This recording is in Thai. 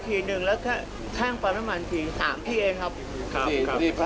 ที่๑แล้วก็แท่งประมาณ๓ที่เองครับ